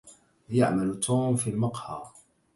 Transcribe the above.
يعمل توم في مقهى.